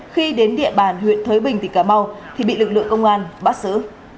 khi đến địa bàn huyện thới bình tỉnh cà mau thì bị lực lượng công an bắt giữ